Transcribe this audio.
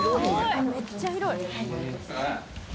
めっちゃ広い！